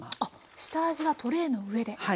あっ下味はトレイの上で。